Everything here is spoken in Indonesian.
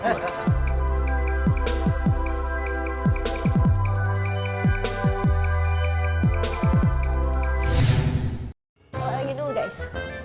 buka lagi dulu guys